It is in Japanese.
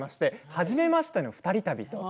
「はじめましての２人旅」